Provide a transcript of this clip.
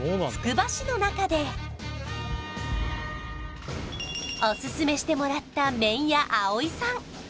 つくば市の中でオススメしてもらった麺や蒼ＡＯＩさん